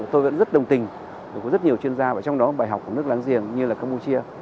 tôi vẫn rất đồng tình với rất nhiều chuyên gia và trong đó bài học của nước láng giềng như là campuchia